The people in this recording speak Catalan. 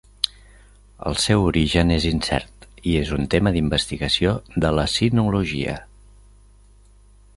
El seu origen és incert i és un tema d'investigació de la sinologia.